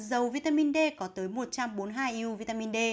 dầu vitamin d có tới một trăm bốn mươi hai u vitamin d